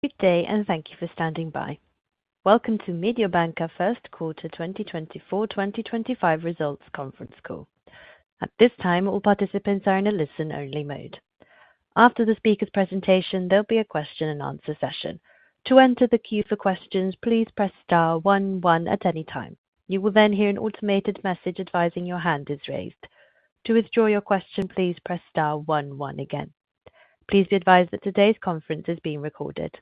Good day, and thank you for standing by. Welcome to Mediobanca First Quarter 2024-2025 Results Conference Call. At this time, all participants are in a listen-only mode. After the speaker's presentation, there'll be a question-and-answer session. To enter the queue for questions, please press star 1-1 at any time. You will then hear an automated message advising your hand is raised. To withdraw your question, please press star 1-1 again. Please be advised that today's conference is being recorded.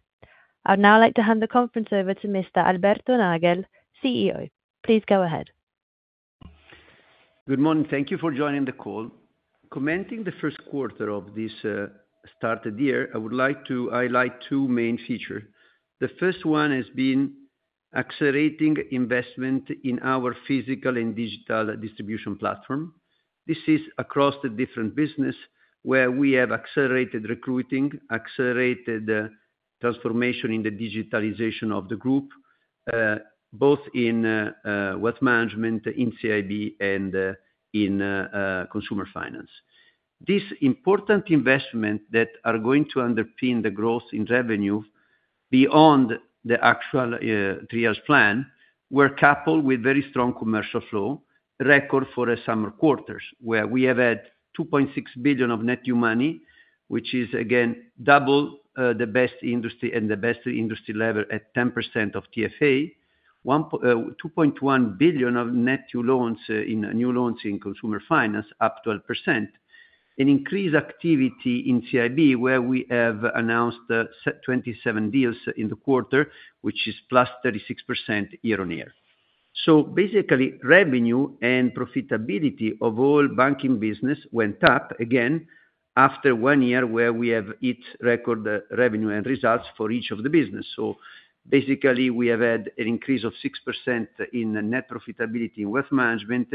I'd now like to hand the conference over to Mr. Alberto Nagel, CEO. Please go ahead. Good morning. Thank you for joining the call. Commenting the first quarter of this started year, I would like to highlight two main features. The first one has been accelerating investment in our physical and digital distribution platform. This is across the different businesses where we have accelerated recruiting, accelerated transformation in the digitalization of the group, both in wealth management in CIB and in consumer finance. This important investment that is going to underpin the growth in revenue beyond the actual three-year plan, we're coupled with very strong commercial flow, record for a summer quarter where we have had 2.6 billion of net new money, which is, again, double the best industry and the best industry level at 10% of TFA, 2.1 billion of net new loans in consumer finance, up 12%, and increased activity in CIB where we have announced 27 deals in the quarter, which is plus 36% year-on-year. So basically, revenue and profitability of all banking business went up again after one year where we have hit record revenue and results for each of the businesses. So basically, we have had an increase of 6% in net profitability in wealth management,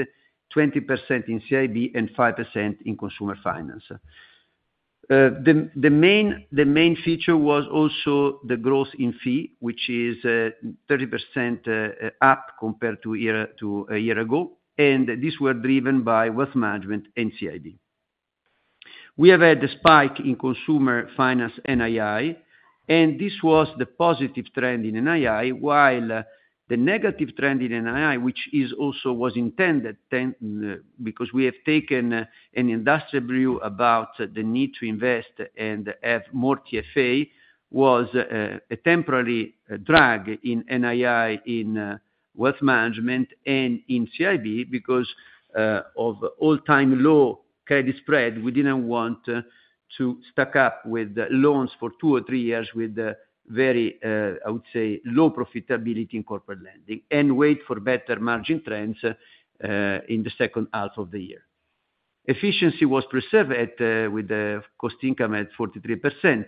20% in CIB, and 5% in consumer finance. The main feature was also the growth in fee, which is 30% up compared to a year ago, and these were driven by wealth management and CIB. We have had a spike in consumer finance NII, and this was the positive trend in NII, while the negative trend in NII, which also was intended because we have taken an industrial view about the need to invest and have more TFA, was a temporary drag in NII in wealth management and in CIB because of all-time low credit spread. We didn't want to stack up with loans for two or three years with very, I would say, low profitability in corporate lending and wait for better margin trends in the second half of the year. Efficiency was preserved with the cost income at 43%.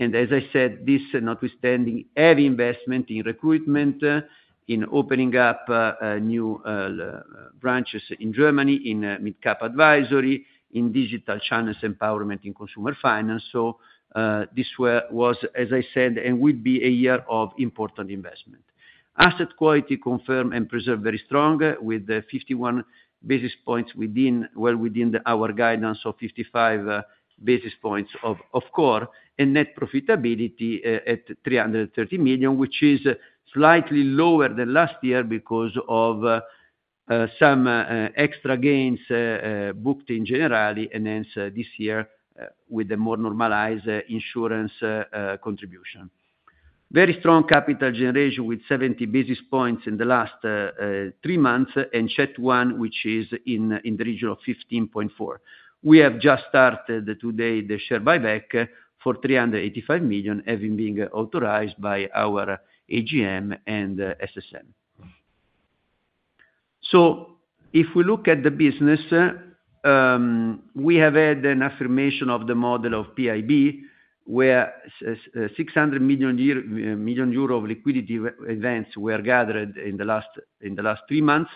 As I said, this notwithstanding heavy investment in recruitment, in opening up new branches in Germany, in mid-cap advisory, in digital channels empowerment in consumer finance. This was, as I said, and would be a year of important investment. Asset quality confirmed and preserved very strong with 51 basis points well within our guidance of 55 basis points of core and net profitability at 330 million, which is slightly lower than last year because of some extra gains booked in Generali and hence this year with a more normalized insurance contribution. Very strong capital generation with 70 basis points in the last three months and CET1, which is in the region of 15.4%. We have just started today the share buyback for 385 million, having been authorized by our AGM and SSM. If we look at the business, we have had an affirmation of the model of PIB where 600 million of liquidity events were gathered in the last three months.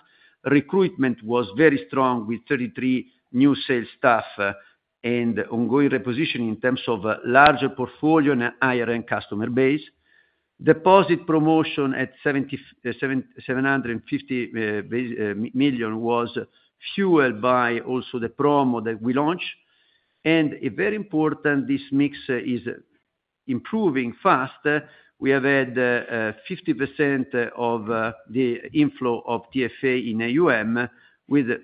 Recruitment was very strong with 33 new sales staff and ongoing repositioning in terms of a larger portfolio and a higher-end customer base. Deposit promotion at 750 million was fueled by also the promo that we launched. Very important, this mix is improving fast. We have had 50% of the inflow of TFA in AUM with a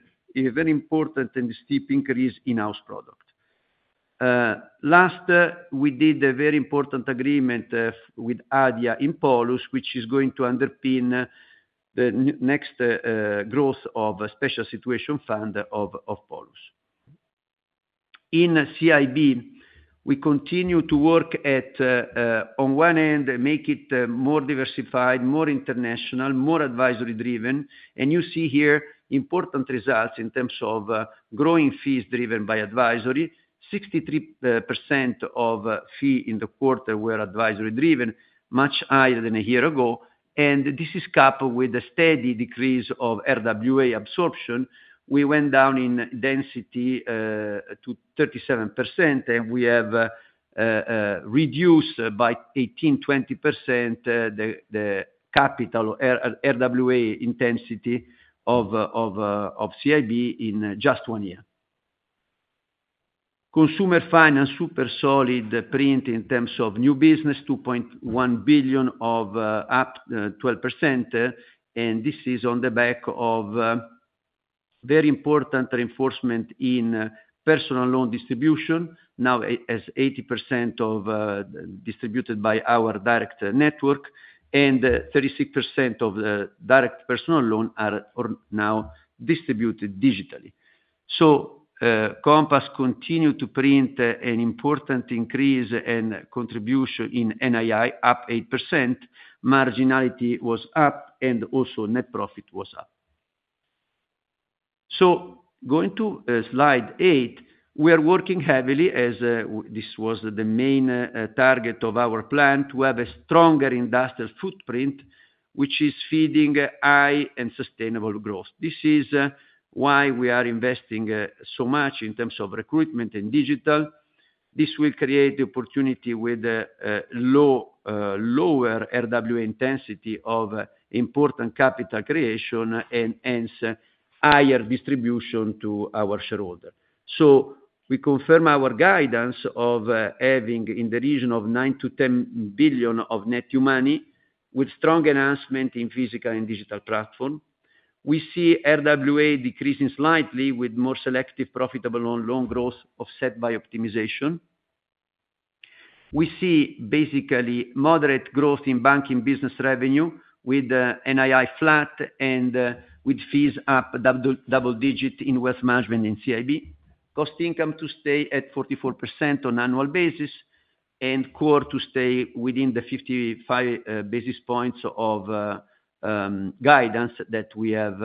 very important and steep increase in house product. Last, we did a very important agreement with ADIA and Polus, which is going to underpin the next growth of a special situation fund of Polus. In CIB, we continue to work at, on one end, make it more diversified, more international, more advisory-driven. And you see here important results in terms of growing fees driven by advisory. 63% of fee in the quarter were advisory-driven, much higher than a year ago. And this is coupled with a steady decrease of RWA absorption. We went down in density to 37%, and we have reduced by 18-20% the capital RWA intensity of CIB in just one year. Consumer finance, super solid print in terms of new business, 2.1 billion of up 12%. And this is on the back of very important reinforcement in personal loan distribution, now as 80% of distributed by our direct network, and 36% of the direct personal loan are now distributed digitally. So Compass continued to print an important increase and contribution in NII, up 8%. Marginality was up, and also net profit was up. Going to slide eight, we are working heavily, as this was the main target of our plan, to have a stronger industrial footprint, which is feeding high and sustainable growth. This is why we are investing so much in terms of recruitment and digital. This will create the opportunity with lower RWA intensity of important capital creation and hence higher distribution to our shareholder. We confirm our guidance of having in the region of 9-10 billion of net new money with strong enhancement in physical and digital platform. We see RWA decreasing slightly with more selective profitable on loan growth offset by optimization. We see basically moderate growth in banking business revenue with NII flat and with fees up double-digit in wealth management in CIB. Cost income to stay at 44% on annual basis and core to stay within the 55 basis points of guidance that we have,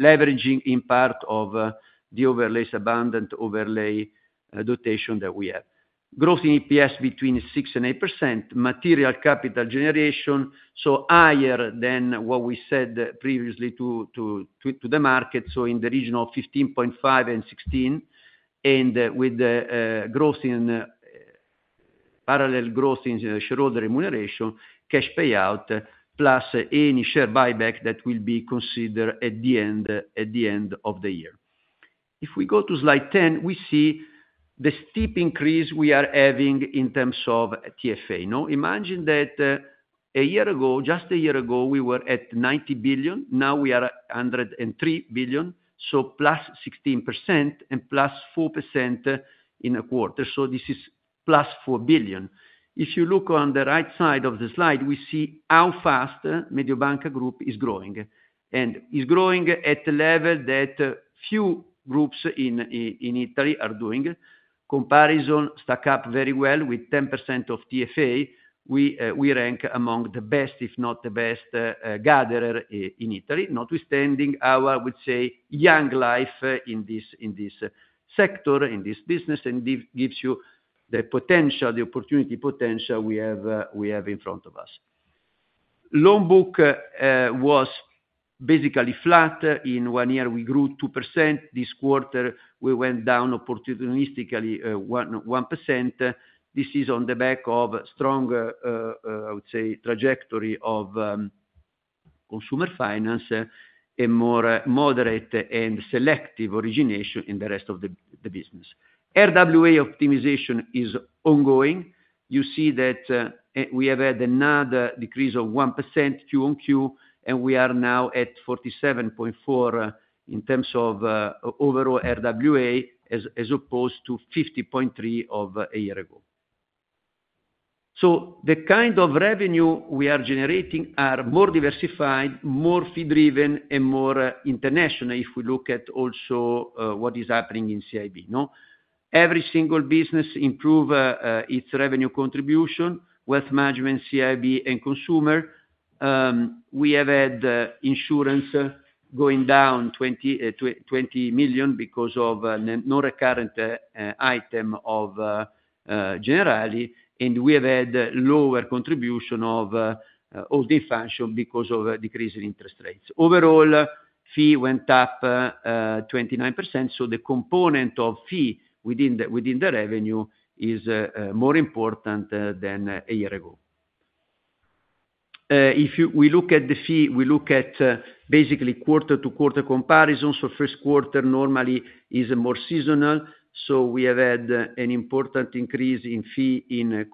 leveraging in part of the overlay's abundant overlay dotation that we have. Growth in EPS between 6%-8%. Material capital generation, so higher than what we said previously to the market, so in the region of 15.5-16, and with parallel growth in shareholder remuneration, cash payout plus any share buyback that will be considered at the end of the year. If we go to slide 10, we see the steep increase we are having in terms of TFA. Now, imagine that a year ago, just a year ago, we were at €90 billion. Now we are €103 billion, so plus 16% and plus 4% in a quarter, so this is plus €4 billion. If you look on the right side of the slide, we see how fast Mediobanca Group is growing and is growing at the level that few groups in Italy are doing. Comparisons stack up very well with 10% of TFA. We rank among the best, if not the best gatherer in Italy, notwithstanding our, I would say, young life in this sector, in this business, and gives you the potential, the opportunity potential we have in front of us. Loan book was basically flat. In one year, we grew 2%. This quarter, we went down opportunistically 1%. This is on the back of strong, I would say, trajectory of consumer finance and more moderate and selective origination in the rest of the business. RWA optimization is ongoing. You see that we have had another decrease of 1% Q on Q, and we are now at 47.4 in terms of overall RWA as opposed to 50.3 of a year ago. So the kind of revenue we are generating are more diversified, more fee-driven, and more international if we look at also what is happening in CIB. Every single business improves its revenue contribution, wealth management, CIB, and consumer. We have had insurance going down 20 million because of non-recurrent item of Generali, and we have had lower contribution of holding function because of decreasing interest rates. Overall, fee went up 29%, so the component of fee within the revenue is more important than a year ago. If we look at the fee, we look at basically quarter-to-quarter comparison. So first quarter normally is more seasonal. So we have had an important increase in fee in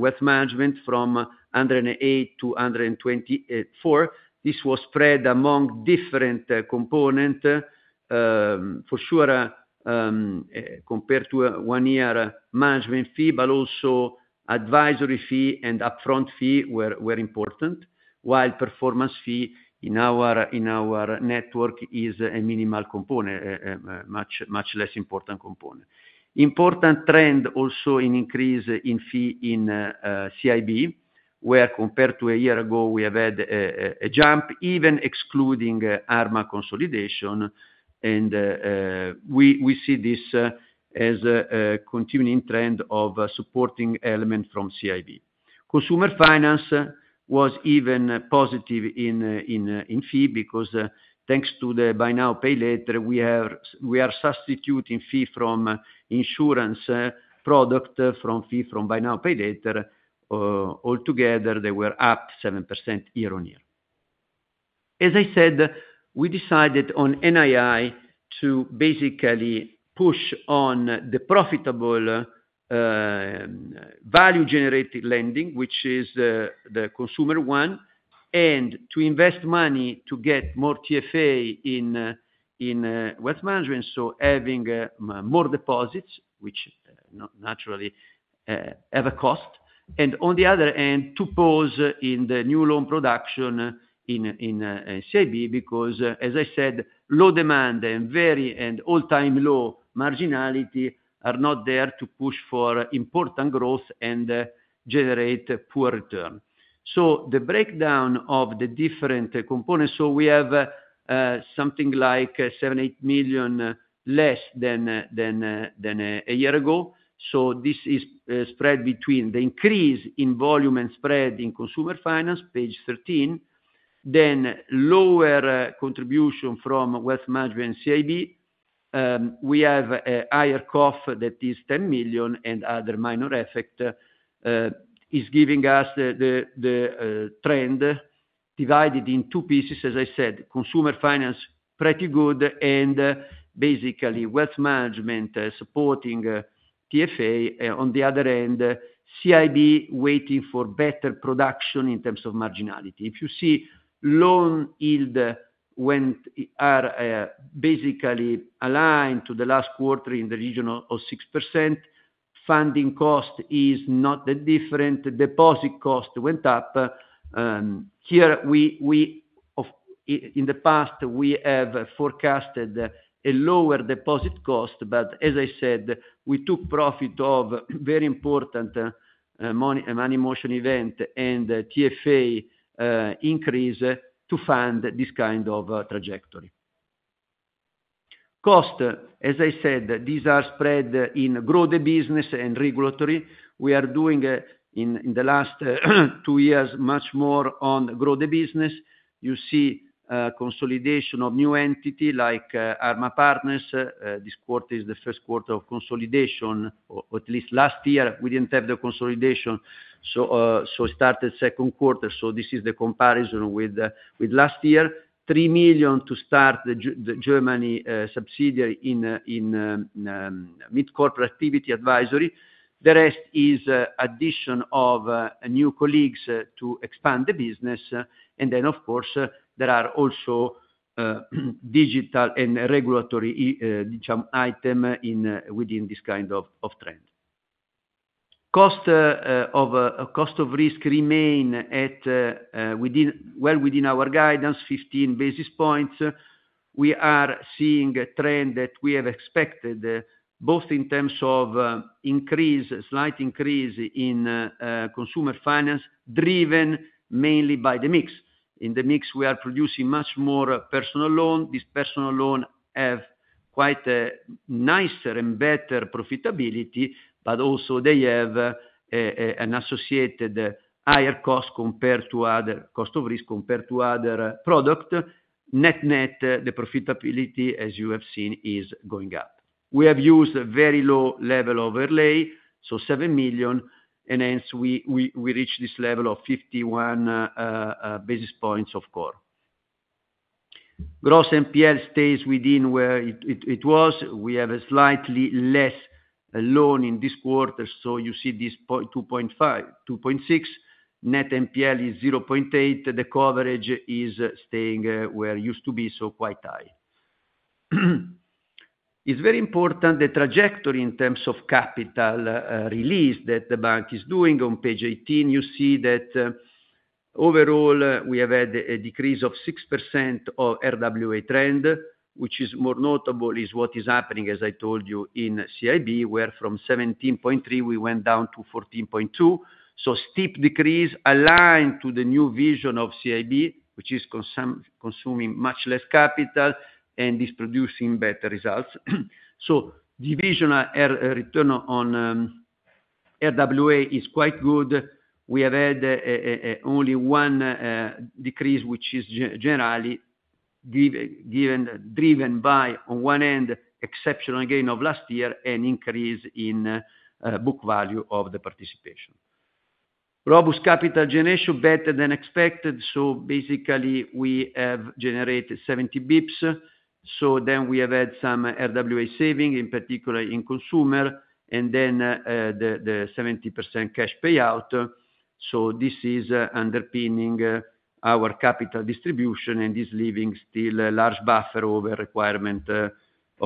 wealth management from 108 to 124. This was spread among different components, for sure, compared to one-year management fee, but also advisory fee and upfront fee were important, while performance fee in our network is a minimal component, a much less important component. Important trend also in increase in fee in CIB, where compared to a year ago, we have had a jump, even excluding Arma consolidation. And we see this as a continuing trend of supporting element from CIB. Consumer finance was even positive in fee because thanks to the buy now, pay later, we are substituting fee from insurance product from fee from buy now, pay later. Altogether, they were up 7% year-on-year. As I said, we decided on NII to basically push on the profitable value-generated lending, which is the consumer one, and to invest money to get more TFA in wealth management, so having more deposits, which naturally have a cost. And on the other hand, to pause in the new loan production in CIB because, as I said, low demand and all-time low marginality are not there to push for important growth and generate poor return. So the breakdown of the different components, so we have something like 7-8 million less than a year ago. So this is spread between the increase in volume and spread in consumer finance, page 13, then lower contribution from wealth management CIB. We have a higher cost that is €10 million and other minor effects is giving us the trend divided in two pieces, as I said, Consumer Finance pretty good and basically Wealth Management supporting TFA. On the other end, CIB waiting for better production in terms of marginality. If you see loan yield, we are basically aligned to the last quarter in the region of 6%. Funding cost is not that different. Deposit cost went up. Here, in the past, we have forecasted a lower deposit cost, but as I said, we took profit of very important monetization event and TFA increase to fund this kind of trajectory. Costs, as I said, these are spread in grow the business and regulatory. We are doing in the last two years much more on grow the business. You see consolidation of new entity like Arma Partners. This quarter is the first quarter of consolidation, or at least last year, we didn't have the consolidation. So started second quarter. So this is the comparison with last year, 3 million to start the Germany subsidiary in mid-corporate activity advisory. The rest is addition of new colleagues to expand the business. And then, of course, there are also digital and regulatory item within this kind of trend. Cost of risk remain well within our guidance, 15 basis points. We are seeing a trend that we have expected both in terms of increase, slight increase in consumer finance driven mainly by the mix. In the mix, we are producing much more personal loan. This personal loan has quite a nicer and better profitability, but also they have an associated higher cost compared to other cost of risk compared to other product. Net net, the profitability, as you have seen, is going up. We have used a very low level of overlay, so 7 million, and hence we reached this level of 51 basis points of core. Gross NPL stays within where it was. We have a slightly less loan in this quarter, so you see this 2.6. Net NPL is 0.8. The coverage is staying where it used to be, so quite high. It's very important the trajectory in terms of capital release that the bank is doing. On page 18, you see that overall we have had a decrease of 6% of RWA trend, which is more notable is what is happening, as I told you, in CIB, where from 17.3, we went down to 14.2. So steep decrease aligned to the new vision of CIB, which is consuming much less capital and is producing better results. Divisional return on RWA is quite good. We have had only one decrease, which is generally driven by, on one end, exceptional gain of last year and increase in book value of the participation. Robust capital generation, better than expected. So basically, we have generated 70 basis points. So then we have had some RWA saving, in particular in consumer, and then the 70% cash payout. So this is underpinning our capital distribution and is leaving still a large buffer over requirement of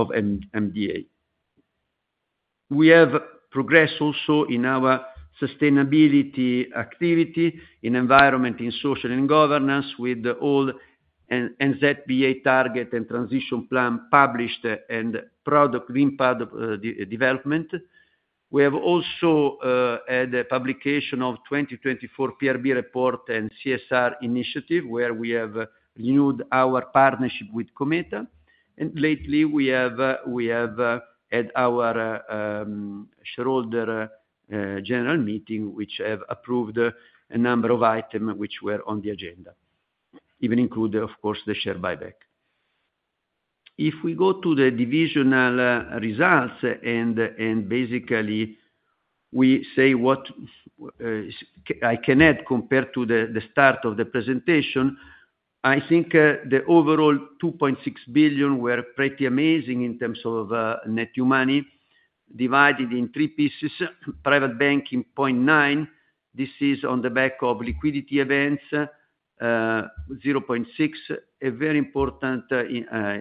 MDA. We have progressed also in our sustainability activity in environment, in social, and governance with all NZBA target and transition plan published and product in development. We have also had a publication of 2024 PRB report and CSR initiative where we have renewed our partnership with Cometa. And lately, we have had our shareholder general meeting, which has approved a number of items which were on the agenda, even included, of course, the share buyback. If we go to the divisional results and basically we say what I can add compared to the start of the presentation, I think the overall 2.6 billion were pretty amazing in terms of net new money divided in three pieces. Private banking 0.9. This is on the back of liquidity events. 0.6, a very important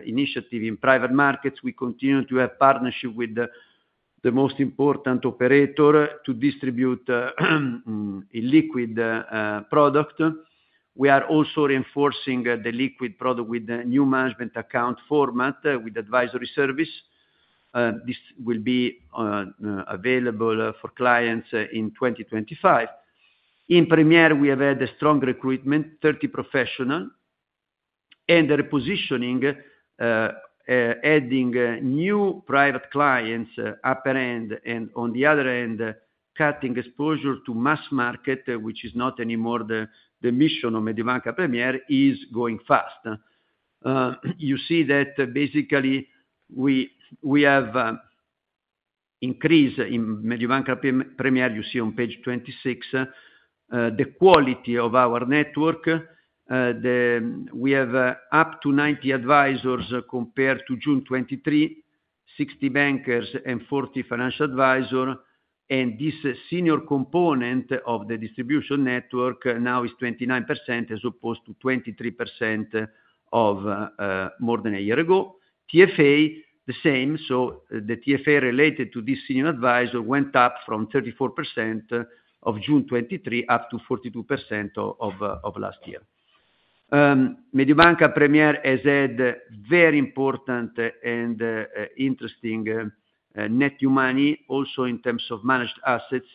initiative in private markets. We continue to have partnership with the most important operator to distribute illiquid product. We are also reinforcing the liquid product with the new management account format with advisory service. This will be available for clients in 2025. In Premier, we have had a strong recruitment, 30 professionals, and the repositioning, adding new private clients upper end and on the other end, cutting exposure to mass market, which is not anymore the mission of Mediobanca Premier. It is going fast. You see that basically we have increased in Mediobanca Premier. You see on page 26 the quality of our network. We have up to 90 advisors compared to June 2023, 60 bankers and 40 financial advisors, and this senior component of the distribution network now is 29% as opposed to 23% more than a year ago. TFA, the same, so the TFA related to this senior advisor went up from 34% of June 2023 up to 42% of last year. Mediobanca Premier has had very important and interesting net new money also in terms of managed assets.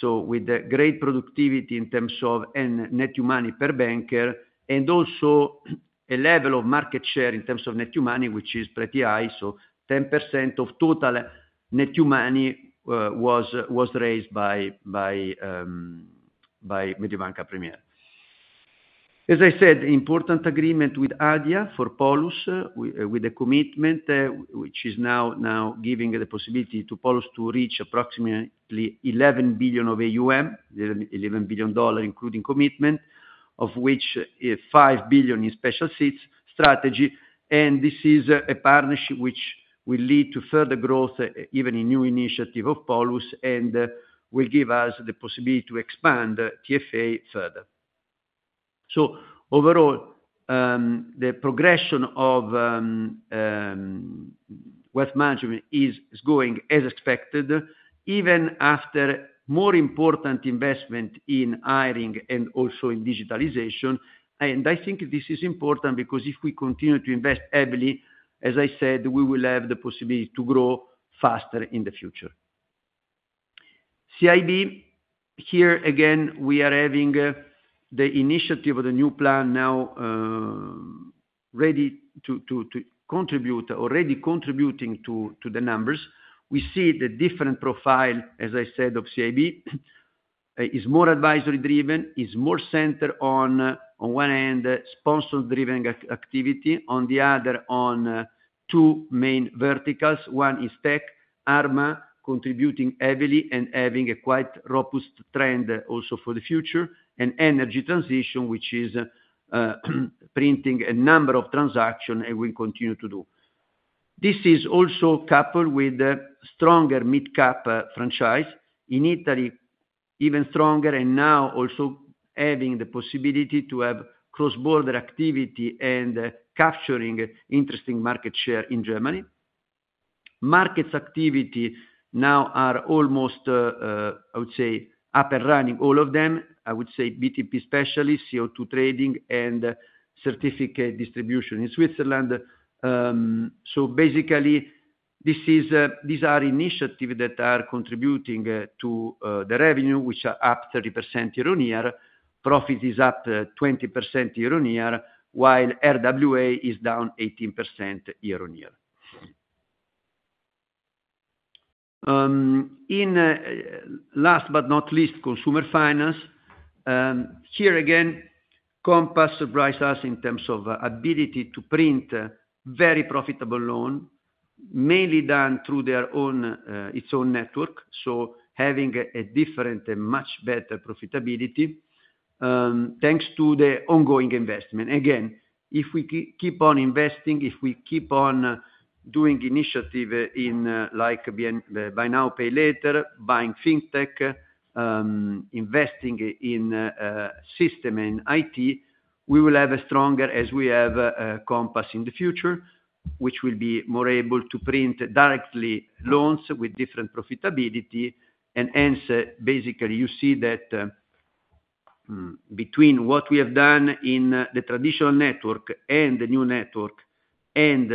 So with great productivity in terms of net new money per banker and also a level of market share in terms of net new money, which is pretty high. So 10% of total net new money was raised by Mediobanca Premier. As I said, important agreement with ADIA for Polus with a commitment, which is now giving the possibility to Polus to reach approximately 11 billion of AUM, $11 billion including commitment, of which $5 billion in special sits strategy. And this is a partnership which will lead to further growth even in new initiative of Polus and will give us the possibility to expand TFA further. So overall, the progression of wealth management is going as expected, even after more important investment in hiring and also in digitalization. And I think this is important because if we continue to invest heavily, as I said, we will have the possibility to grow faster in the future. CIB, here again, we are having the initiative of the new plan now ready to contribute or already contributing to the numbers. We see the different profile, as I said, of CIB is more advisory driven, is more centered on one end, sponsor-driven activity, on the other on two main verticals. One is tech, Arma contributing heavily and having a quite robust trend also for the future, and energy transition, which is printing a number of transactions and will continue to do. This is also coupled with stronger mid-cap franchise in Italy, even stronger and now also having the possibility to have cross-border activity and capturing interesting market share in Germany. Markets activity now are almost, I would say, up and running, all of them. I would say BTP specialists, CO2 trading, and certificate distribution in Switzerland. So basically, these are initiatives that are contributing to the revenue, which are up 30% year-on-year. Profit is up 20% year-on-year, while RWA is down 18% year-on-year. Last but not least, consumer finance. Here again, Compass surprised us in terms of ability to print very profitable loan, mainly done through its own network, so having a different and much better profitability thanks to the ongoing investment. Again, if we keep on investing, if we keep on doing initiative like Buy Now, Pay Later, buying fintech, investing in system and IT, we will have a stronger, as we have Compass in the future, which will be more able to print directly loans with different profitability. Hence, basically, you see that between what we have done in the traditional network and the new network and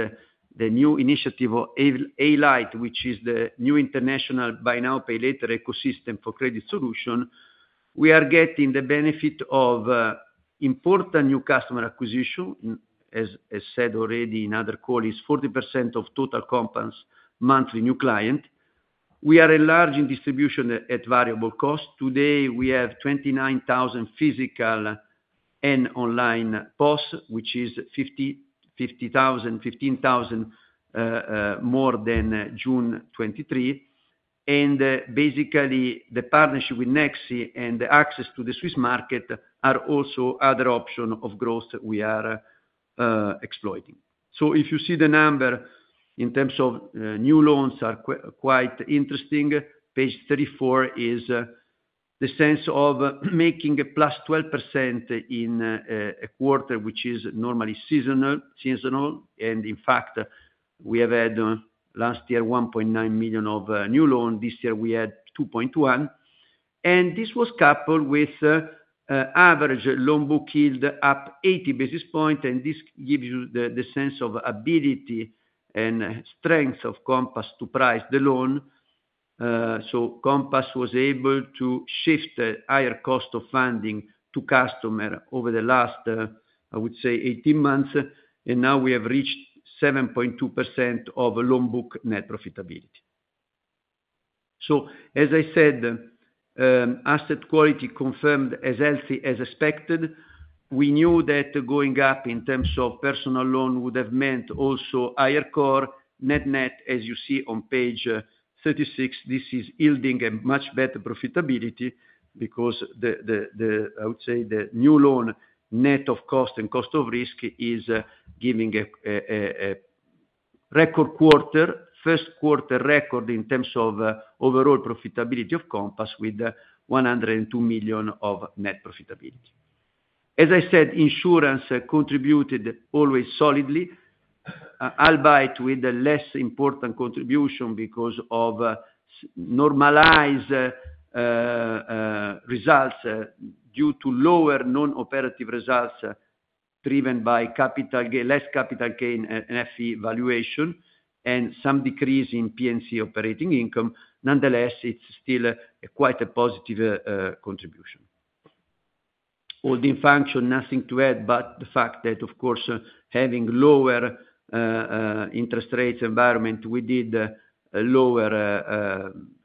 the new initiative of Pagolight, which is the new international Buy Now, Pay Later ecosystem for credit solution, we are getting the benefit of important new customer acquisition. As said already in other calls, 40% of total companies' monthly new clients. We are enlarging distribution at variable cost. Today, we have 29,000 physical and online POS, which is 50,000, 15,000 more than June 2023. Basically, the partnership with Nexi and the access to the Swiss market are also other options of growth we are exploiting. If you see the number in terms of new loans are quite interesting. Page 34 is the sense of making plus 12% in a quarter, which is normally seasonal. In fact, we have had last year 1.9 million of new loans. This year, we had 2.1, and this was coupled with average loan book yield up 80 basis points. This gives you the sense of ability and strength of Compass to price the loan. Compass was able to shift higher cost of funding to customer over the last, I would say, 18 months. Now we have reached 7.2% of loan book net profitability. As I said, asset quality confirmed as healthy as expected. We knew that going up in terms of personal loan would have meant also higher core, net net, as you see on page 36. This is yielding a much better profitability because the, I would say, the new loan net of cost and cost of risk is giving a record quarter, first quarter record in terms of overall profitability of Compass with 102 million of net profitability. As I said, insurance contributed always solidly, albeit with a less important contribution because of normalized results due to lower non-operative results driven by less capital gain and FV valuation and some decrease in P&C operating income. Nonetheless, it's still quite a positive contribution. Holding function, nothing to add, but the fact that, of course, having lower interest rates environment, we did lower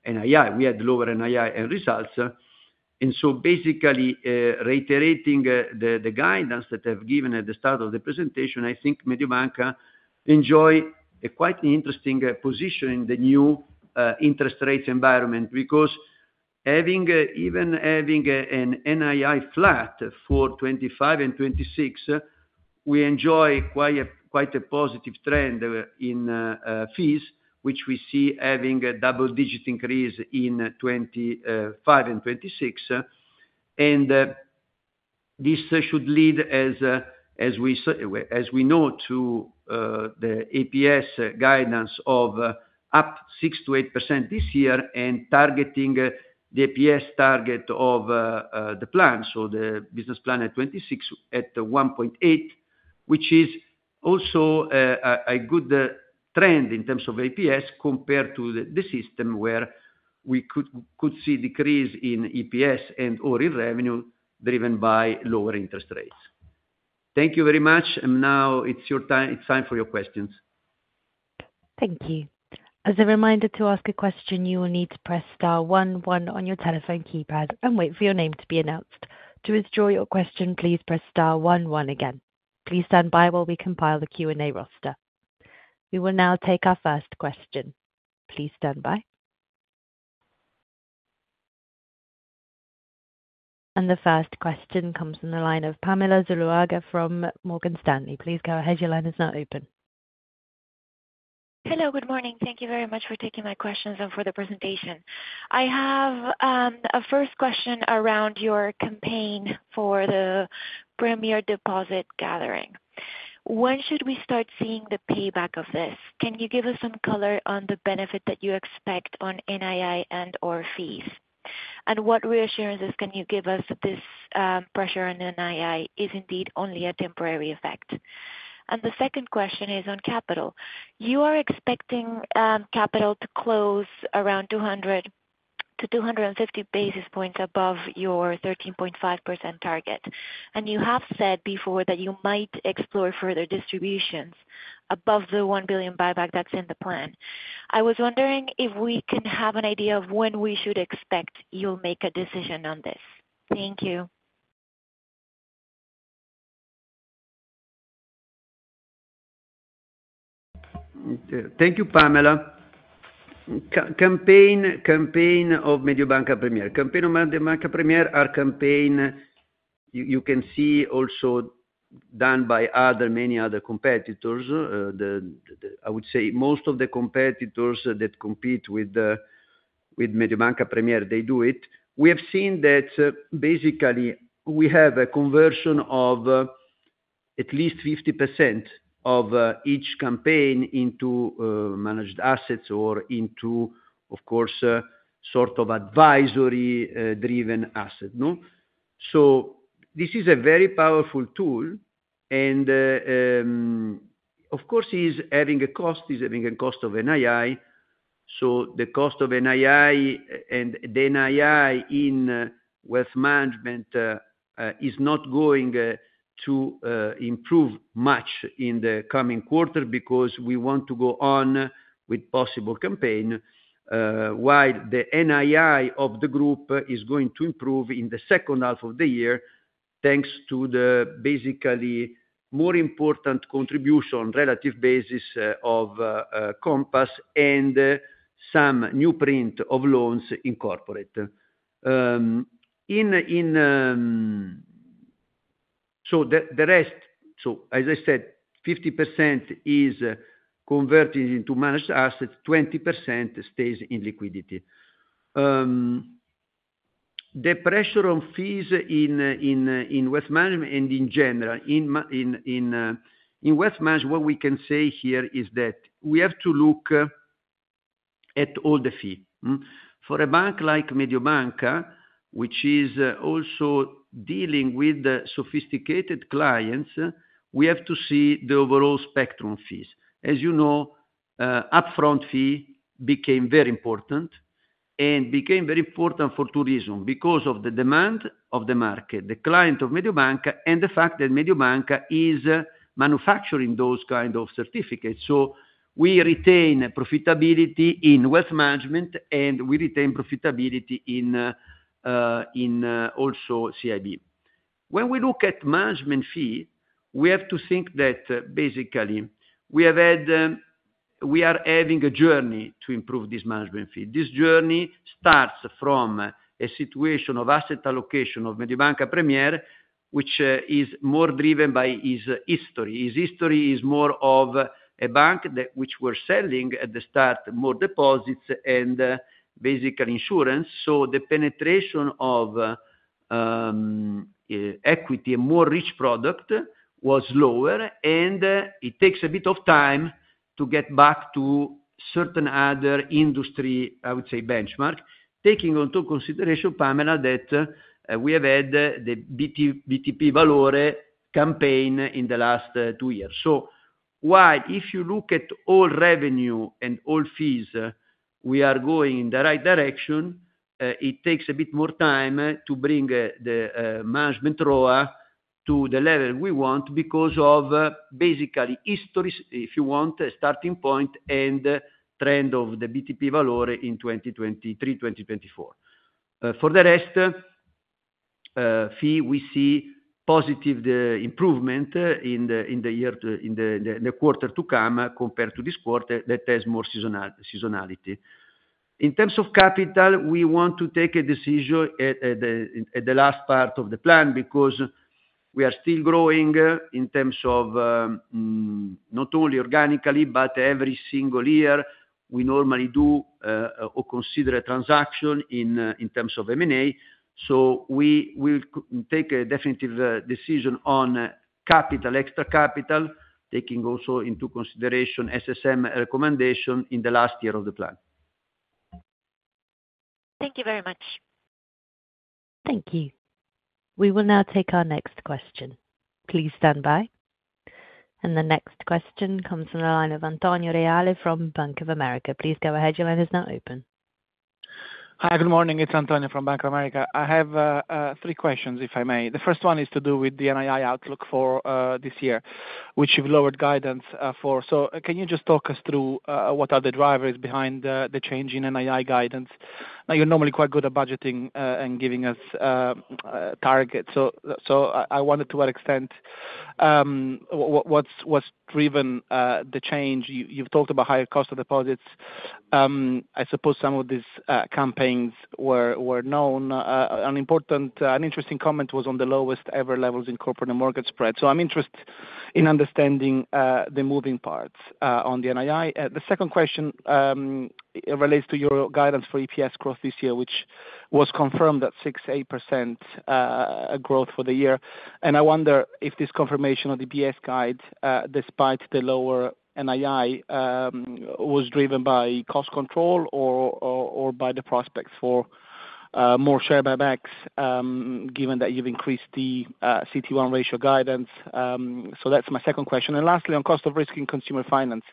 NII. We had lower NII and results. And so basically, reiterating the guidance that I've given at the start of the presentation, I think Mediobanca enjoy a quite interesting position in the new interest rates environment because even having an NII flat for 2025 and 2026, we enjoy quite a positive trend in fees, which we see having a double-digit increase in 2025 and 2026. And this should lead, as we know, to the EPS guidance of up 6%-8% this year and targeting the EPS target of the plan, so the business plan at 26 at 1.8, which is also a good trend in terms of EPS compared to the system where we could see decrease in EPS and/or in revenue driven by lower interest rates. Thank you very much. And now it's time for your questions. Thank you. As a reminder to ask a question, you will need to press star one one on your telephone keypad and wait for your name to be announced. To withdraw your question, please press star one one again. Please stand by while we compile the Q&A roster. We will now take our first question. Please stand by. And the first question comes from the line of Pamela Zuluaga from Morgan Stanley. Please go ahead. Your line is now open. Hello, good morning. Thank you very much for taking my questions and for the presentation. I have a first question around your campaign for the Premier deposit gathering. When should we start seeing the payback of this? Can you give us some color on the benefit that you expect on NII and/or fees? And what reassurances can you give us that this pressure on NII is indeed only a temporary effect? And the second question is on capital. You are expecting capital to close around 200-250 basis points above your 13.5% target. And you have said before that you might explore further distributions above the 1 billion buyback that's in the plan. I was wondering if we can have an idea of when we should expect you'll make a decision on this. Thank you. Thank you, Pamela. Campaign of Mediobanca Premier. Campaigns of Mediobanca Premier are campaigns you can see also done by many other competitors. I would say most of the competitors that compete with Mediobanca Premier, they do it. We have seen that basically we have a conversion of at least 50% of each campaign into managed assets or into, of course, sort of advisory-driven assets. So this is a very powerful tool. And of course, having a cost is having a cost of NII. So the cost of NII and the NII in wealth management is not going to improve much in the coming quarter because we want to go on with possible campaigns while the NII of the group is going to improve in the second half of the year thanks to the basically more important contribution relative basis of Compass and some new tranche of loans incorporated. So the rest, so as I said, 50% is converted into managed assets, 20% stays in liquidity. The pressure on fees in wealth management and in general, in wealth management, what we can say here is that we have to look at all the fee. For a bank like Mediobanca, which is also dealing with sophisticated clients, we have to see the overall spectrum of fees. As you know, upfront fee became very important and became very important for two reasons: because of the demand of the market, the client of Mediobanca, and the fact that Mediobanca is manufacturing those kinds of certificates. So we retain profitability in wealth management, and we retain profitability in also CIB. When we look at management fee, we have to think that basically we are having a journey to improve this management fee. This journey starts from a situation of asset allocation of Mediobanca Premier, which is more driven by its history. Its history is more of a bank which were selling at the start more deposits and basically insurance. So the penetration of equity and more rich product was lower, and it takes a bit of time to get back to certain other industry, I would say, benchmark, taking into consideration, Pamela, that we have had the BTP Valore campaign in the last two years. So while, if you look at all revenue and all fees, we are going in the right direction, it takes a bit more time to bring the management ROA to the level we want because of basically history, if you want, starting point and trend of the BTP Valore in 2023, 2024. For the rest, fees, we see positive improvement in the quarter to come compared to this quarter that has more seasonality. In terms of capital, we want to take a decision at the last part of the plan because we are still growing in terms of not only organically, but every single year we normally do or consider a transaction in terms of M&A. So we will take a definitive decision on capital, extra capital, taking also into consideration SSM recommendation in the last year of the plan. Thank you very much. Thank you. We will now take our next question. Please stand by. And the next question comes from the line of Antonio Reale from Bank of America. Please go ahead. Your line is now open. Hi, good morning. It's Antonio from Bank of America. I have three questions, if I may. The first one is to do with the NII outlook for this year, which you've lowered guidance for. So can you just talk us through what are the drivers behind the change in NII guidance? Now, you're normally quite good at budgeting and giving us targets. So I wonder to what extent what's driven the change. You've talked about higher cost of deposits. I suppose some of these campaigns were known. An interesting comment was on the lowest ever levels in corporate and mortgage spread. So I'm interested in understanding the moving parts on the NII. The second question relates to your guidance for EPS growth this year, which was confirmed at 6%-8% growth for the year. I wonder if this confirmation of the BS guide, despite the lower NII, was driven by cost control or by the prospects for more share buybacks, given that you've increased the CET1 ratio guidance? That's my second question. Lastly, on cost of risk in consumer finance.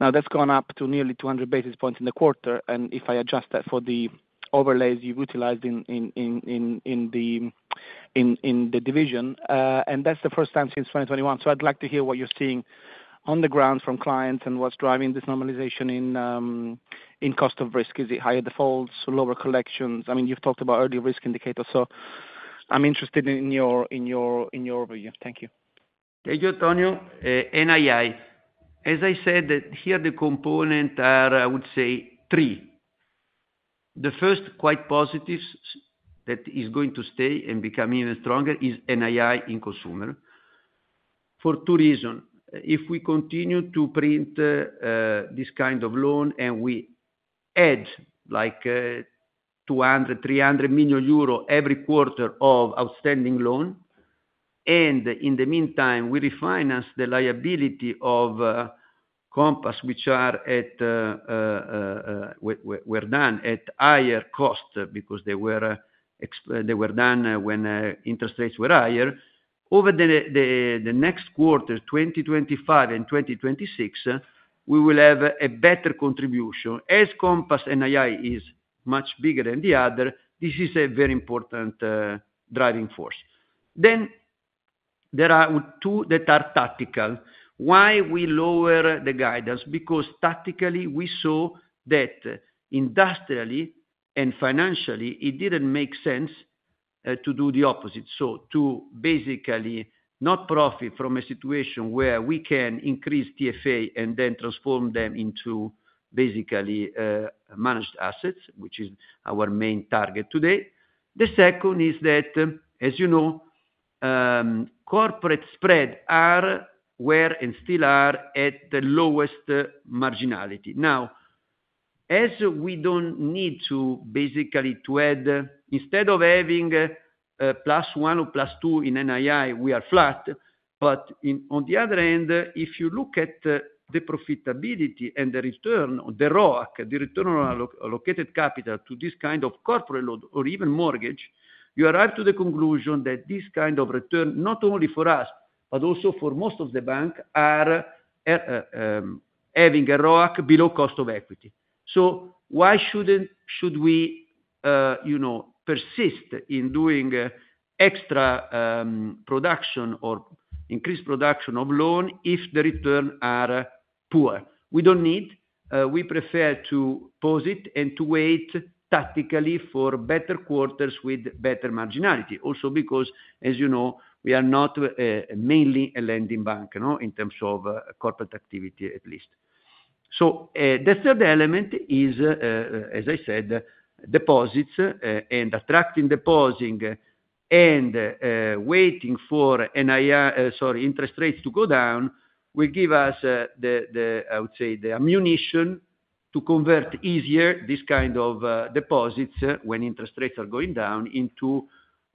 Now, that's gone up to nearly 200 basis points in the quarter. If I adjust that for the overlays you've utilized in the division, and that's the first time since 2021. I'd like to hear what you're seeing on the ground from clients and what's driving this normalization in cost of risk. Is it higher defaults, lower collections? I mean, you've talked about early risk indicators. I'm interested in your overview. Thank you. Thank you, Antonio. NII. As I said, here the components are, I would say, three. The first, quite positive, that is going to stay and become even stronger is NII in consumer. For two reasons. If we continue to print this kind of loan and we add like 200-300 million euro every quarter of outstanding loan, and in the meantime, we refinance the liability of Compass, which were done at higher cost because they were done when interest rates were higher, over the next quarter, 2025 and 2026, we will have a better contribution. As Compass NII is much bigger than the other, this is a very important driving force. Then there are two that are tactical. Why we lower the guidance? Because tactically, we saw that industrially and financially, it didn't make sense to do the opposite. So to basically not profit from a situation where we can increase TFA and then transform them into basically managed assets, which is our main target today. The second is that, as you know, corporate spreads are very low and still are at the lowest marginality. Now, as we don't need to basically add, instead of having plus one or plus two in NII, we are flat. But on the other end, if you look at the profitability and the return on the ROAC, the return on allocated capital to this kind of corporate loan or even mortgage, you arrive to the conclusion that this kind of return, not only for us, but also for most of the banks, are having a ROAC below cost of equity. So why should we persist in doing extra production or increased production of loans if the returns are poor? We don't need. We prefer to pause it and to wait tactically for better quarters with better marginality. Also because, as you know, we are not mainly a lending bank in terms of corporate activity, at least. So the third element is, as I said, deposits and attracting depositing and waiting for NII, sorry, interest rates to go down will give us, I would say, the ammunition to convert easier this kind of deposits when interest rates are going down into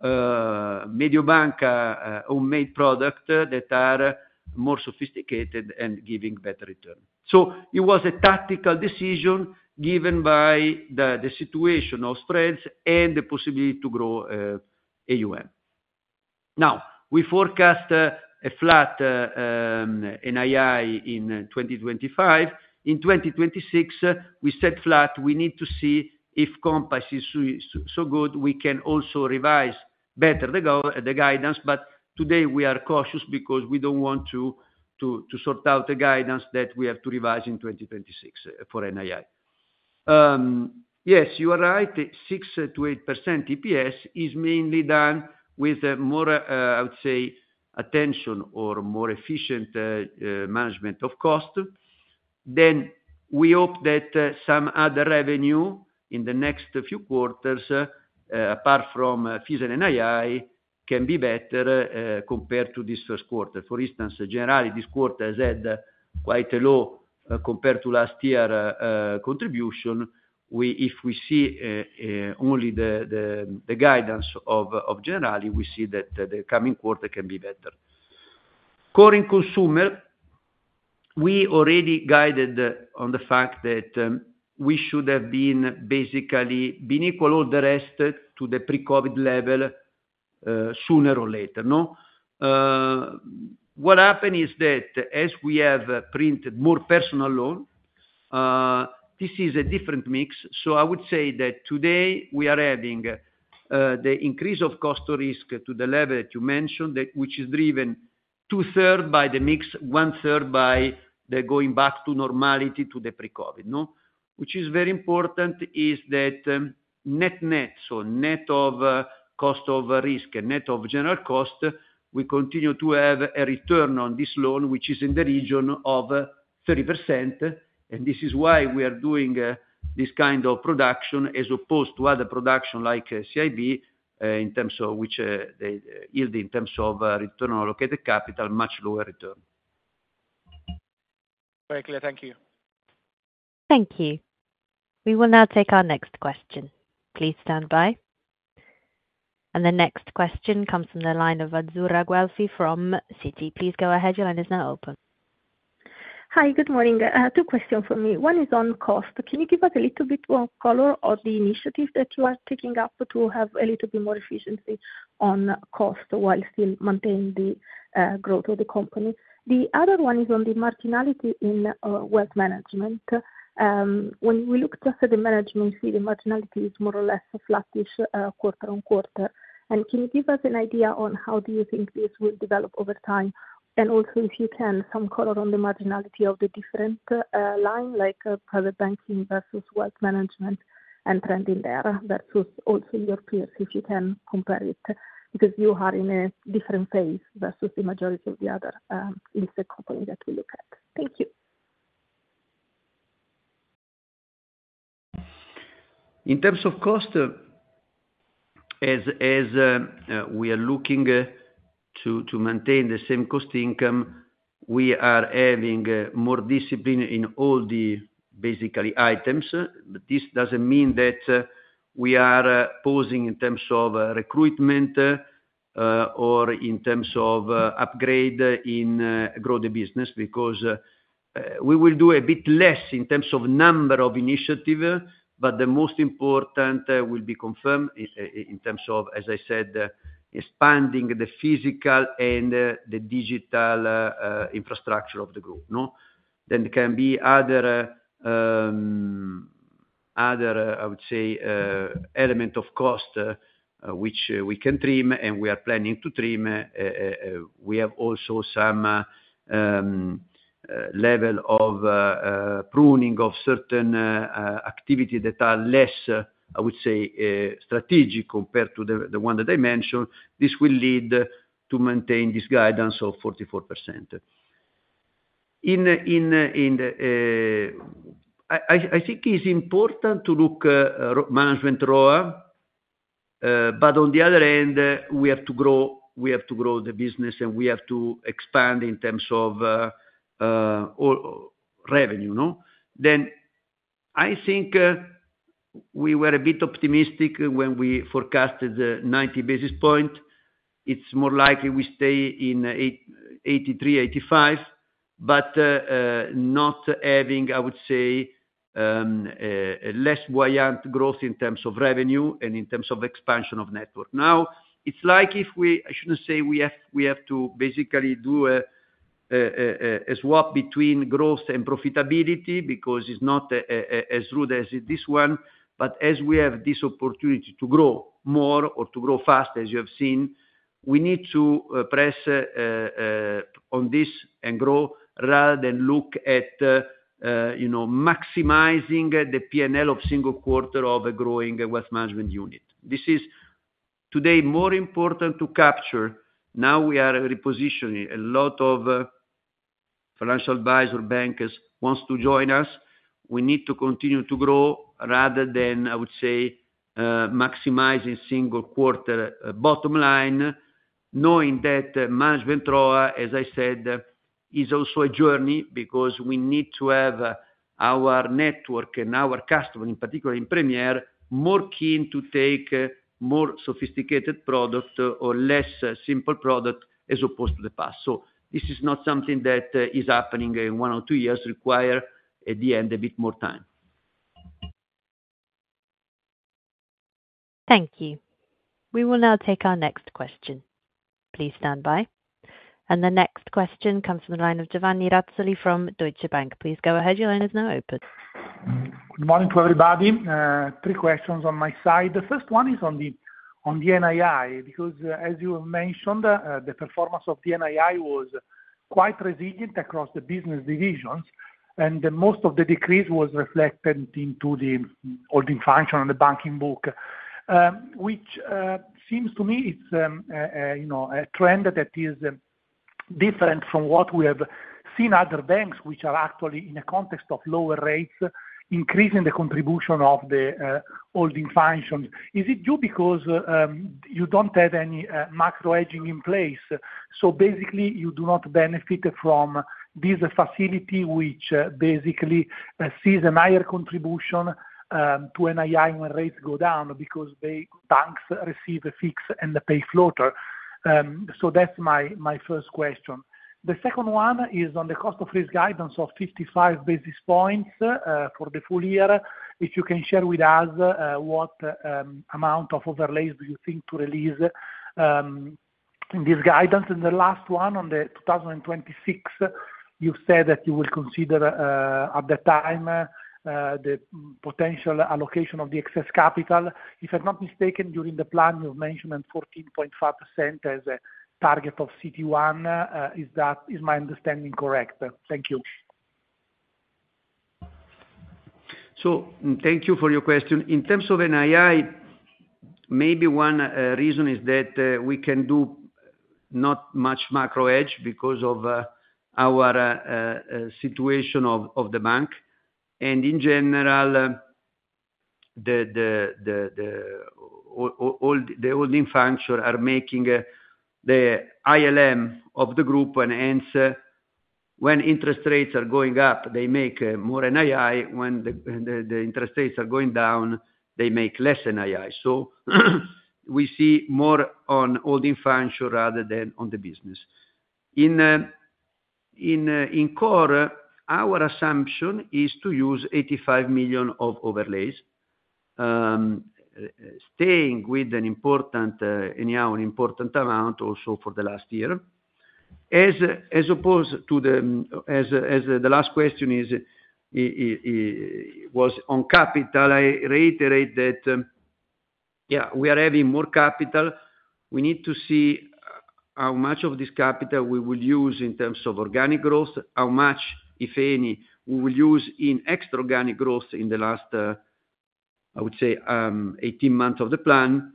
Mediobanca own-made products that are more sophisticated and giving better return. So it was a tactical decision given by the situation of spreads and the possibility to grow AUM. Now, we forecast a flat NII in 2025. In 2026, we set flat. We need to see if Compass is so good, we can also revise better the guidance. But today, we are cautious because we don't want to sort out the guidance that we have to revise in 2026 for NII. Yes, you are right. 6%-8% EPS is mainly done with more, I would say, attention or more efficient management of cost. Then we hope that some other revenue in the next few quarters, apart from fees and NII, can be better compared to this first quarter. For instance, Generali this quarter has had quite a low compared to last year's contribution. If we see only the guidance of Generali, we see that the coming quarter can be better. CIB and consumer, we already guided on the fact that we should have basically been equal all the rest to the pre-COVID level sooner or later. What happened is that as we have printed more personal loan, this is a different mix. I would say that today we are having the increase of cost of risk to the level that you mentioned, which is driven two-thirds by the mix, one-third by the going back to normality to the pre-COVID. Which is very important is that net net, so net of cost of risk and net of general cost, we continue to have a return on this loan, which is in the region of 30%. And this is why we are doing this kind of production as opposed to other production like CIB, in terms of which they yield in terms of return on allocated capital, much lower return. Very clear. Thank you. Thank you. We will now take our next question. Please stand by. And the next question comes from the line of Azzurra Guelfi from Citi. Please go ahead. Your line is now open. Hi, good morning. Two questions for me. One is on cost. Can you give us a little bit more color on the initiative that you are taking up to have a little bit more efficiency on cost while still maintaining the growth of the company? The other one is on the marginality in wealth management. When we look just at the management fee, the marginality is more or less flattish quarter on quarter. And can you give us an idea on how do you think this will develop over time? And also, if you can, some color on the marginality of the different line, like private banking versus wealth management and trending there versus also your peers, if you can compare it, because you are in a different phase versus the majority of the other in the company that we look at. Thank you. In terms of cost, as we are looking to maintain the same cost income, we are having more discipline in basically all items. But this doesn't mean that we are pausing in terms of recruitment or in terms of upgrading and growing the business, because we will do a bit less in terms of number of initiatives, but the most important will be confirmed in terms of, as I said, expanding the physical and the digital infrastructure of the group. Then there can be other, I would say, elements of cost which we can trim and we are planning to trim. We have also some level of pruning of certain activities that are less, I would say, strategic compared to the ones that I mentioned. This will lead to maintain this guidance of 44%. I think it's important to look at management ROA, but on the other hand, we have to grow the business and we have to expand in terms of revenue. Then I think we were a bit optimistic when we forecasted 90 basis points. It's more likely we stay in 83-85, but not having, I would say, less buoyant growth in terms of revenue and in terms of expansion of network. Now, it's like if we—I shouldn't say we have to basically do a swap between growth and profitability because it's not as crude as this one. But as we have this opportunity to grow more or to grow fast, as you have seen, we need to press on this and grow rather than look at maximizing the P&L of single quarter of a growing wealth management unit. This is today more important to capture. Now we are repositioning. A lot of financial advisor bankers want to join us. We need to continue to grow rather than, I would say, maximizing single quarter bottom line, knowing that management ROA, as I said, is also a journey because we need to have our network and our customers, in particular in Premier, more keen to take more sophisticated product or less simple product as opposed to the past. So this is not something that is happening in one or two years. It requires at the end a bit more time. Thank you. We will now take our next question. Please stand by. And the next question comes from the line of Giovanni Razzoli from Deutsche Bank. Please go ahead. Your line is now open. Good morning to everybody. Three questions on my side. The first one is on the NII because, as you have mentioned, the performance of the NII was quite resilient across the business divisions, and most of the decrease was reflected into the holding function and the banking book, which seems to me it's a trend that is different from what we have seen at other banks, which are actually in a context of lower rates, increasing the contribution of the holding functions. Is it due because you don't have any macro hedging in place? So basically, you do not benefit from this facility, which basically sees a higher contribution to NII when rates go down because banks receive a fix and pay floater. So that's my first question. The second one is on the cost of risk guidance of 55 basis points for the full year. If you can share with us what amount of overlays do you think to release in this guidance? And the last one on the 2026, you said that you will consider at that time the potential allocation of the excess capital. If I'm not mistaken, during the plan, you've mentioned 14.5% as a target of CET1. Is my understanding correct? Thank you. So thank you for your question. In terms of NII, maybe one reason is that we can do not much macro hedge because of our situation of the bank. And in general, the holding function are making the ALM of the group. And hence, when interest rates are going up, they make more NII. When the interest rates are going down, they make less NII. So we see more on holding function rather than on the business. In core, our assumption is to use 85 million of overlays, staying with an important amount also for the last year. As opposed to the last question was on capital, I reiterate that, yeah, we are having more capital. We need to see how much of this capital we will use in terms of organic growth, how much, if any, we will use in extra organic growth in the last, I would say, 18 months of the plan.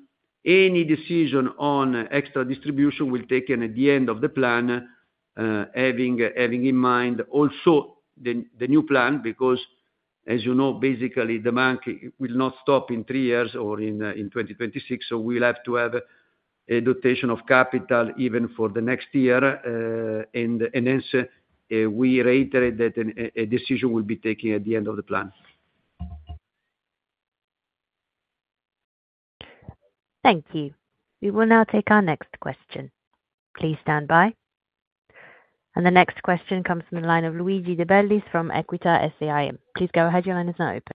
Any decision on extra distribution will take at the end of the plan, having in mind also the new plan, because, as you know, basically, the bank will not stop in three years or in 2026, so we'll have to have a dotation of capital even for the next year, and hence, we reiterate that a decision will be taken at the end of the plan. Thank you. We will now take our next question. Please stand by. And the next question comes from the line of Luigi De Bellis from Equita SIM. Please go ahead. Your line is now open.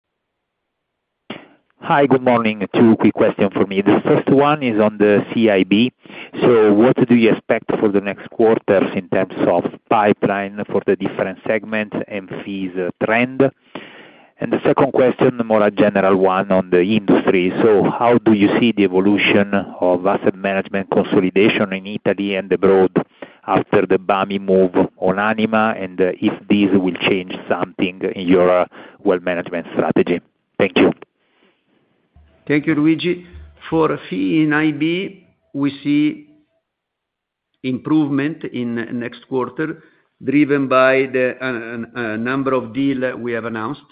Hi, good morning. Two quick questions for me. The first one is on the CIB. So what do you expect for the next quarters in terms of pipeline for the different segments and fees trend? And the second question, more a general one on the industry. So how do you see the evolution of asset management consolidation in Italy and abroad after the Bambi move on Anima? And if this will change something in your wealth management strategy? Thank you. Thank you, Luigi. For fee in IB, we see improvement in next quarter driven by the number of deals we have announced.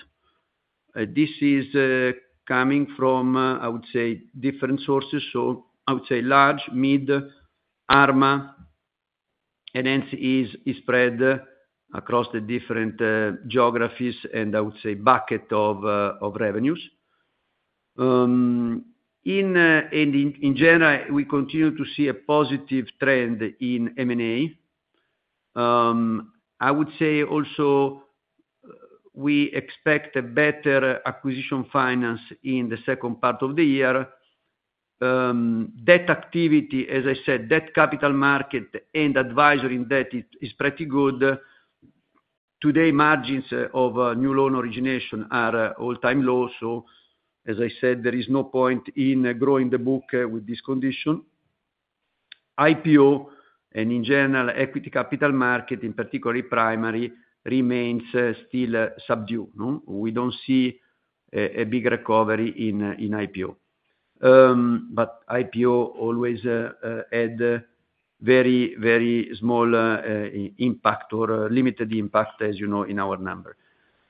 This is coming from, I would say, different sources. So I would say large, mid, Arma, and hence is spread across the different geographies and, I would say, bucket of revenues. And in general, we continue to see a positive trend in M&A. I would say also we expect a better acquisition finance in the second part of the year. Debt activity, as I said, debt capital market and advisory in debt is pretty good. Today, margins of new loan origination are all-time low. So, as I said, there is no point in growing the book with this condition. IPO and, in general, equity capital market, in particular primary, remains still subdued. We don't see a big recovery in IPO. But IPO always had very, very small impact or limited impact, as you know, in our number.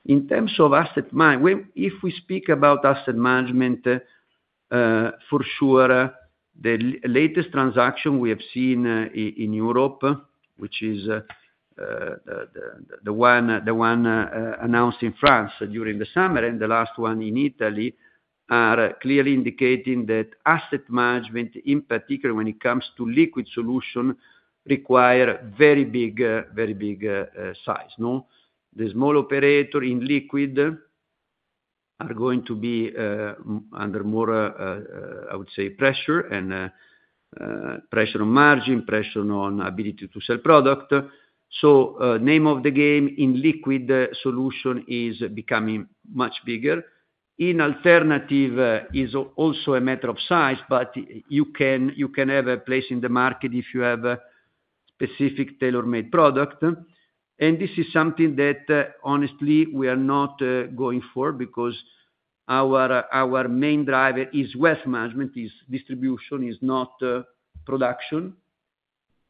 In terms of asset management, if we speak about asset management, for sure, the latest transaction we have seen in Europe, which is the one announced in France during the summer and the last one in Italy, are clearly indicating that asset management, in particular when it comes to liquid solution, require very big size. The small operator in liquid are going to be under more, I would say, pressure and pressure on margin, pressure on ability to sell product. So, name of the game, in liquid solution is becoming much bigger. In alternative, it's also a matter of size, but you can have a place in the market if you have specific tailor-made product. And this is something that, honestly, we are not going for because our main driver is wealth management, is distribution, is not production.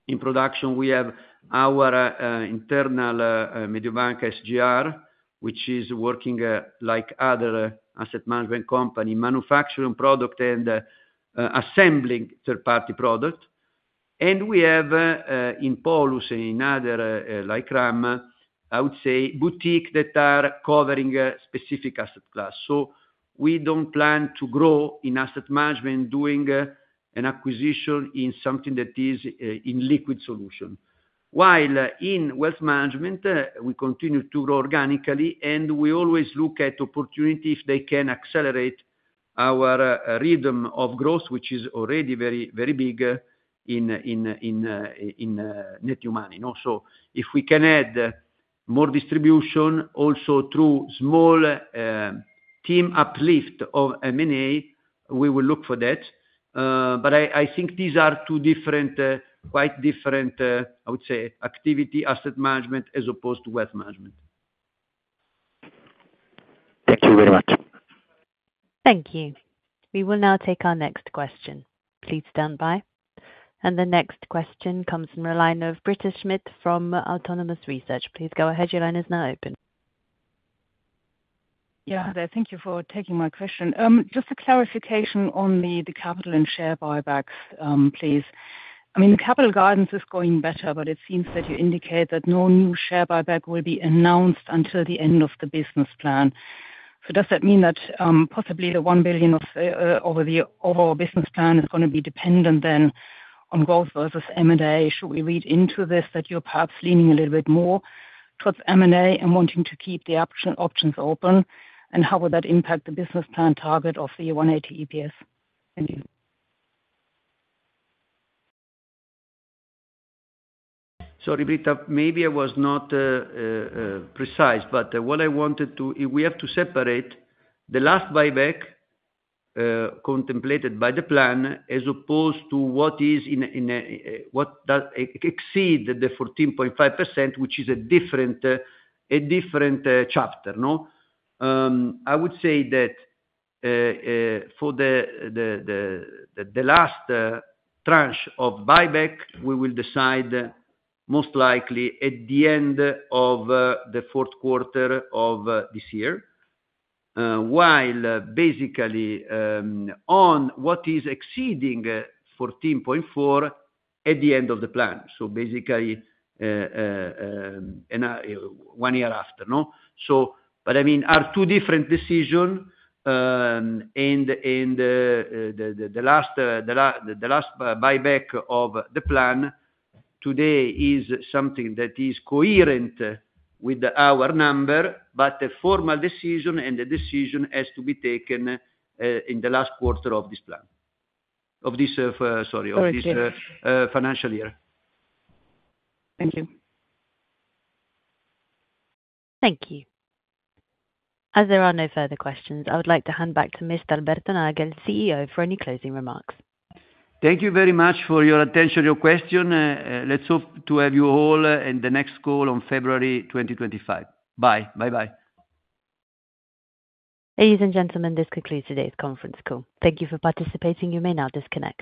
In production, we have our internal Mediobanca SGR, which is working like other asset management company, manufacturing product and assembling third-party product. And we have in Polus and in other, like RAM, I would say, boutiques that are covering specific asset class. So we don't plan to grow in asset management doing an acquisition in something that is illiquid solutions. While in wealth management, we continue to grow organically, and we always look at opportunity if they can accelerate our rhythm of growth, which is already very, very big in net new money. So if we can add more distribution also through small team uplift of M&A, we will look for that. But I think these are two different, quite different, I would say, activity asset management as opposed to wealth management. Thank you very much. Thank you. We will now take our next question. Please stand by. And the next question comes from the line of Britta Schmidt from Autonomous Research. Please go ahead. Your line is now open. Yeah, thank you for taking my question. Just a clarification on the capital and share buybacks, please. I mean, the capital guidance is going better, but it seems that you indicate that no new share buyback will be announced until the end of the business plan. So does that mean that possibly the 1 billion of the overall business plan is going to be dependent then on growth versus M&A? Should we read into this that you're perhaps leaning a little bit more towards M&A and wanting to keep the options open? And how would that impact the business plan target of the 180 EPS? Thank you. Sorry, Britta, maybe I was not precise, but what I wanted to—we have to separate the last buyback contemplated by the plan as opposed to what exceeds the 14.5%, which is a different chapter. I would say that for the last tranche of buyback, we will decide most likely at the end of the fourth quarter of this year, while basically on what is exceeding 14.4% at the end of the plan. So basically one year after. But I mean, they are two different decisions. And the last buyback of the plan today is something that is coherent with our number, but the formal decision and the decision has to be taken in the last quarter of this plan, of this—sorry, of this financial year. Thank you. Thank you. As there are no further questions, I would like to hand back to Mr. Alberto Nagel, CEO, for any closing remarks. Thank you very much for your attention, your question. Let's hope to have you all in the next call on February 2025. Bye. Bye-bye. Ladies and gentlemen, this concludes today's conference call. Thank you for participating. You may now disconnect.